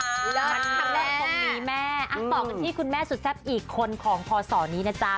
เลิกค่ะแหละคงมีแม่อ่ะต่อกันที่คุณแม่สุดแซ่บอีกคนของพอสอนี้นะจ๊ะ